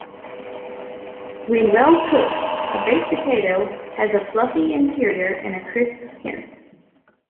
When well cooked, a baked potato has a fluffy interior and a crisp skin.